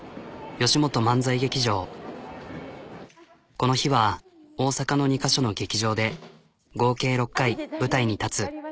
この日は大阪の２か所の劇場で合計６回舞台に立つ。